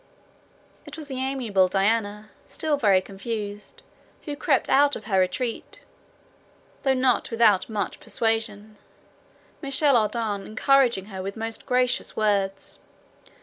It was the amiable Diana, still very confused, who crept out of her retreat, though not without much persuasion, Michel Ardan encouraging her with most gracious words.